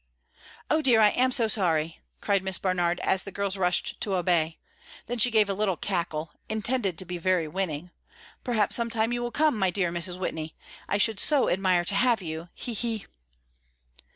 "O dear, I am so sorry," cried Miss Barnard, as the girls rushed to obey; then she gave a little cackle, intended to be very winning, "perhaps some time you will come, my dear Mrs. Whitney, I should so admire to have you hee hee."